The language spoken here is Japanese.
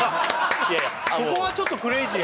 いやいやここはちょっと「クレイジー」